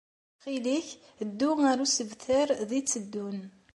Ttxil-k ddu ɣer usebter d-itteddun.